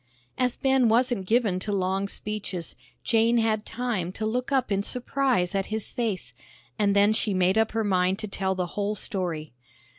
As Ben wasn't given to long speeches, Jane had time to look up in surprise at his face, and then she made up her mind to tell the whole story.